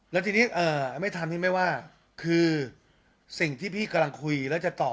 แล้วทีนี้ไม่ทันที่ไม่ว่าคือสิ่งที่พี่กำลังคุยแล้วจะตอบ